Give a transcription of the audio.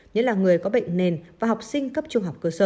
nhất là người có bệnh nền và học sinh cấp trung học cơ sở